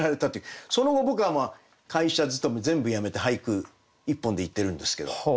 その後僕は会社勤め全部辞めて俳句一本でいってるんですけど。